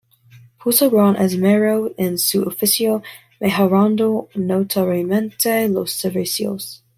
Puso gran esmero en su oficio, mejorando notoriamente los servicios.